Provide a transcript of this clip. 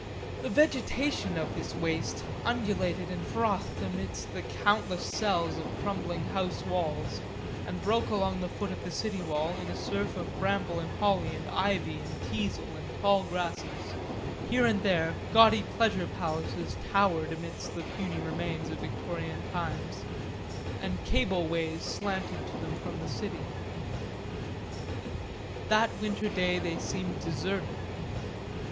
The vegetation of this waste undulated and frothed amidst the countless cells of crumbling house walls, and broke along the foot of the city wall in a surf of bramble and holly and ivy and teazle and tall grasses. Here and there gaudy pleasure palaces towered amidst the puny remains of Victorian times, and cable ways slanted to them from the city. That winter day they seemed deserted.